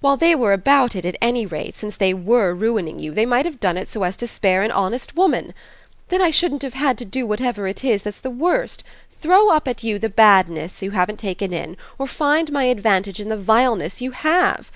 While they were about it at any rate, since they WERE ruining you, they might have done it so as to spare an honest woman. Then I shouldn't have had to do whatever it is that's the worst: throw up at you the badness you haven't taken in, or find my advantage in the vileness you HAVE!